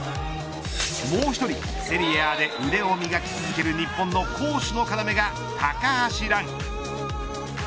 もう１人セリエＡで腕を磨き続ける日本の攻守の要が高橋藍。